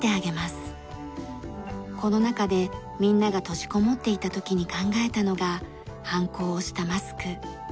コロナ禍でみんなが閉じこもっていた時に考えたのがはんこを押したマスク。